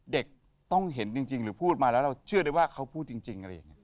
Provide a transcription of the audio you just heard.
เด็กต้องเห็นจริงหรือพูดมาแล้วเราเชื่อได้ว่าเขาพูดจริงอะไรอย่างนี้